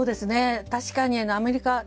確かにアメリカ